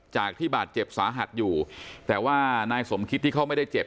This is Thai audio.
จากที่บาดเจ็บสาหัสอยู่แต่ว่านายสมคิดที่เขาไม่ได้เจ็บ